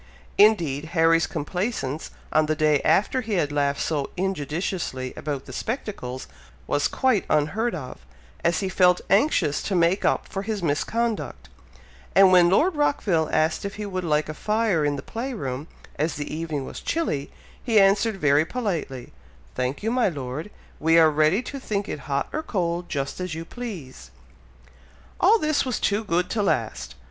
Indeed, Harry's complaisance on the day after he had laughed so injudiciously about the spectacles, was quite unheard of, as he felt anxious to make up for his misconduct; and when Lord Rockville asked if he would like a fire in the play room, as the evening was chilly, he answered very politely, "Thank you, my Lord! We are ready to think it hot or cold, just as you please!" All this was too good to last!